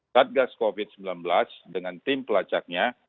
satgas covid sembilan belas dengan tim pelacaknya